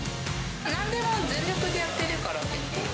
なんでも全力でやってるから、結構。